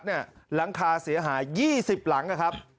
หลังคาเสียหาย๒๐หลังนะครับ